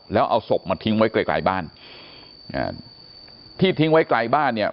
แล้วเอาศพมาทิ้งไว้ไกลไกลบ้านอ่าที่ทิ้งไว้ไกลบ้านเนี่ย